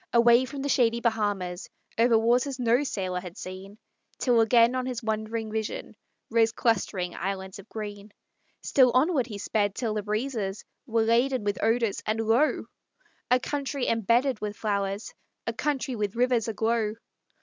Away from the shady Bahamas, Over waters no sailor had seen, Till again on his wondering vision, Rose clustering islands of green. Still onward he sped till the breezes Were laden with odors, and lo! A country embedded with flowers, A country with rivers aglow!